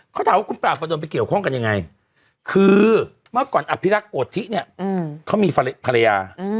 เขาถามว่าคุณปราบประดนไปเกี่ยวข้องกันยังไงคือเมื่อก่อนอภิรักษ์โกธิเนี่ยเขามีภรรยา